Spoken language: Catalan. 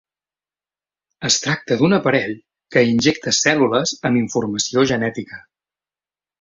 Es tracta d'un aparell que injecta cèl·lules amb informació genètica.